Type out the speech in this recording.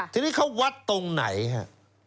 ทีนี้เขาวัดตรงไหนฮะ